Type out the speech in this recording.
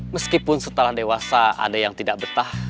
meskipun setelah dewasa ada yang tidak betah